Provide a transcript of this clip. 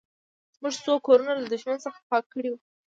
موږ څو کورونه له دښمن څخه پاک کړي وو